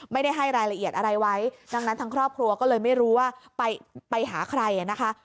ไม่ได้ให้รายละเอียดอะไรไว้ดังนั้นทางครอบครัวก็เลยไม่รู้ว่าไปหาใครนะคะ